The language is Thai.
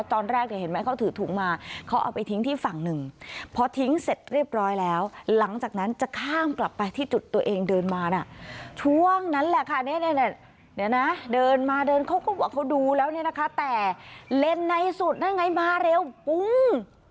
ตอนแรกเนี่ยเห็นไหมเขาถือถุงมาเขาเอาไปทิ้งที่ฝั่งหนึ่งพอทิ้งเสร็จเรียบร้อยแล้วหลังจากนั้นจะข้ามกลับไปที่จุดตัวเองเดินมาน่ะช่วงนั้นแหละค่ะเนี่ยเดี๋ยวนะเดินมาเดินเขาก็บอกเขาดูแล้วเนี่ยนะคะแต่เล่นในสุดนั่นไงมาเร็วปุ้ง